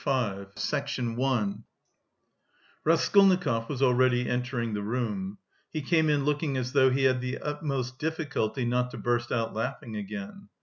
CHAPTER V Raskolnikov was already entering the room. He came in looking as though he had the utmost difficulty not to burst out laughing again.